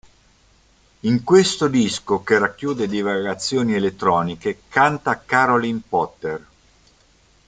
In questo disco, che racchiude divagazioni elettroniche, canta Caroline Potter.